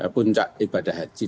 puncak ibadah haji